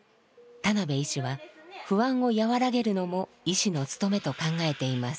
田邉医師は不安を和らげるのも医師の務めと考えています。